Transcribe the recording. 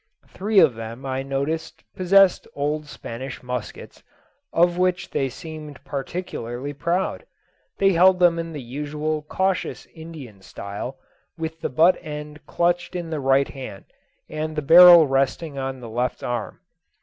Three of them, I noticed, possessed old Spanish muskets, of which they seemed particularly proud; they held them in the usual cautious Indian style, with the butt end clutched in the right hand, and the barrel resting on the left arm.